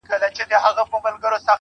o زما د زړه په هغه شين اسمان كي.